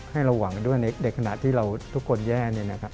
ให้เราหวังด้วยในขณะที่เราทุกคนแย่